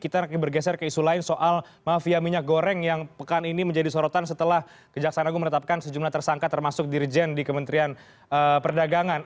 kita bergeser ke isu lain soal mafia minyak goreng yang pekan ini menjadi sorotan setelah kejaksaan agung menetapkan sejumlah tersangka termasuk dirjen di kementerian perdagangan